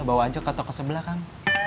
bawa aja ke toko sebelah kan